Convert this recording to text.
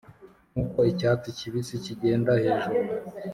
nkuko icyatsi kibisi kigenda hejuru